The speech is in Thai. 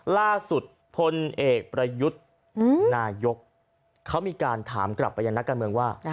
ล่าสุดพลเอกประยุทธ์นายกเขามีการถามกลับไปยังนักการเมืองว่า